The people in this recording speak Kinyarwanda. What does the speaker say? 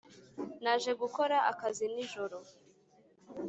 Naje gukora akazi nijoro